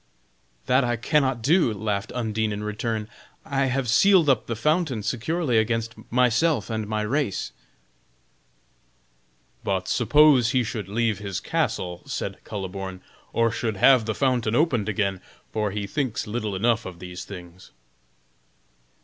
"That I cannot do," laughed Undine in return; "I have sealed up the fountain securely against myself and my race." "But suppose he should leave his castle," said Kuhleborn, "or should have the fountain opened again! for he thinks little enough of these things."